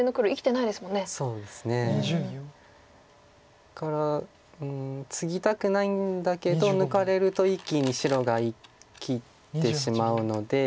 だからツギたくないんだけど抜かれると一気に白が生きてしまうので。